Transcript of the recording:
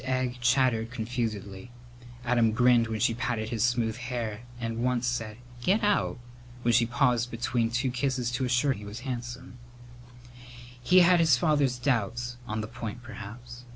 Egg chattered confusedly. Adam grinned when she patted his smooth hair and once said "Get out!" when she paused between two kisses to assure him he was handsome. He had his father's doubts on the point perhaps.